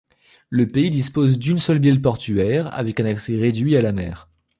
Le pays dispose d'une seule ville portuaire avec un accès réduit à la mer.